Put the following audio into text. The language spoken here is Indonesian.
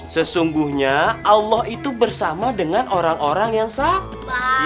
sesungguhnya allah itu bersama dengan orang orang yang sama